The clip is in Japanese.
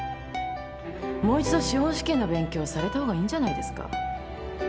もう一度司法試験の勉強されたほうがいいんじゃないですか？